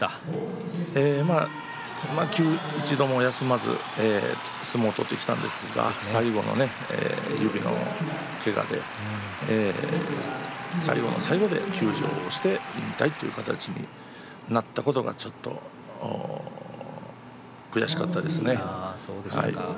焦らずに相撲を取ってきたんですが最後のけがで最後の最後で休場して引退という形になったことがちょっと悔しかったですね。